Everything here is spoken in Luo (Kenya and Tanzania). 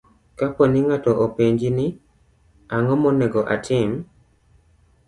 Kapo ni ng'ato openji ni, "Ang'o monego atim?"